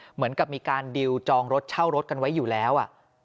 เหมือนกับมีการดิวจองรถเช่ารถกันไว้อยู่แล้ว